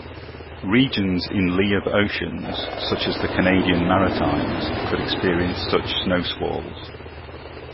Regions in lee of oceans, such as the Canadian Maritimes could experience such snowsqualls.